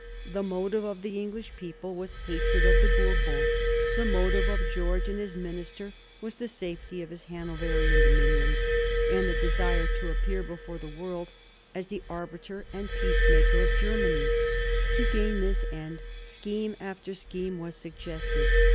The motive of the English people was hatred of the Bourbons; the motive of George and his minister was the safety of his Hanoverian dominions and the desire to appear before the world as the arbiter and peacemaker of rv »■ 24 MARIA THERESA chap, i Germany. To gain this end, scheme after scheme was suggested.